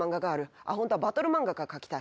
もっとバトル漫画が描きたい。